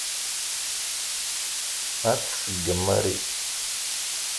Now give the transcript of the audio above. Ad t-tṣeggem Mary.